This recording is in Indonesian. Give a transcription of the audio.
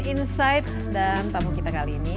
insight dan tamu kita kali ini